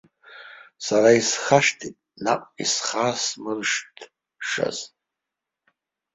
Сара исхашҭит наҟ исхасмыршҭышаз.